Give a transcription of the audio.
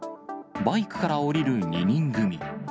バイクから降りる２人組。